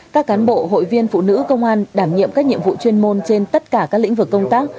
các cán bộ hội viên phụ nữ công an đảm nhiệm các nhiệm vụ chuyên môn trên tất cả các lĩnh vực công tác